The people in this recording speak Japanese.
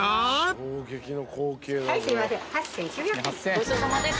ごちそうさまです。